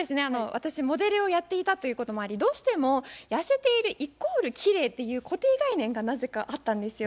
私モデルをやっていたということもありどうしても痩せているイコールきれいっていう固定概念がなぜかあったんですよ。